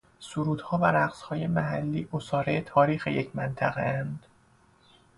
سرودها و رقصهای محلی عصاره تاریخ یک منطقهاند